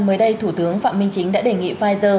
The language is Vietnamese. mới đây thủ tướng phạm minh chính đã đề nghị pfizer